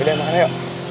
yaudah makan yuk